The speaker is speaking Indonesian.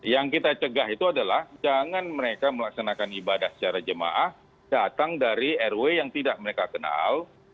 yang kita cegah itu adalah jangan mereka melaksanakan ibadah secara jemaah datang dari rw yang tidak mereka kenal